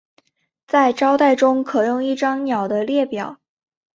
在招待中可用一张鸟的列表。